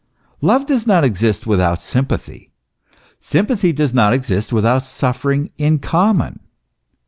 Love does not exist without sympathy, sympathy does not exist without suffering in common.